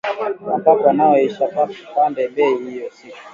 Mapapa nayo isha panda bei iyi siku